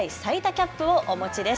キャップをお持ちです。